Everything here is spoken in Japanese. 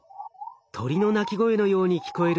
鳥の鳴き声のように聞こえる